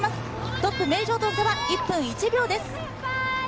トップ・名城との差は１分１秒です。